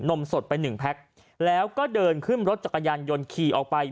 มสดไปหนึ่งแพ็คแล้วก็เดินขึ้นรถจักรยานยนต์ขี่ออกไป